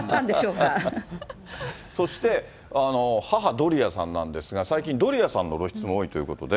そして、母、ドリアさんなんですが、最近、ドリアさんの露出も多いということで。